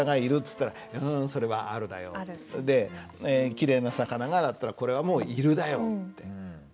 「きれいな魚が」だったら「これはもう『いる』だよ」